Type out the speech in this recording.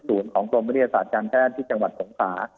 ศูนย์บรมวิทยาศาสตร์จานแท่นชาวหวัดโหมกฑา